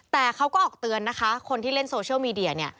แต่เขาก็ออกเตือนนะคะคนที่เล่นโซเชียลมีเดียเนี่ย